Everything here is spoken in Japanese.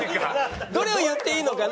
どれを言っていいのかね。